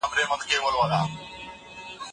نبي علیه السلام د حق غوښتونکو ملاتړی و.